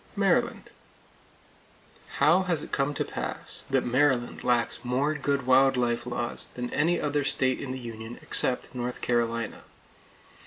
Maryland: How has it come to pass that Maryland lacks more good wild life laws than any other state in the Union except North Carolina?